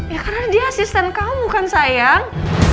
ya karena dia asisten kamu bukan sayang